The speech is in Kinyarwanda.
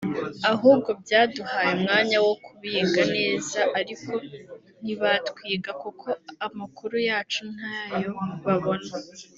ahubwo byaduhaye umwanya wo kubiga neza ariko ntibatwiga kuko amakuru yacu ntayo babona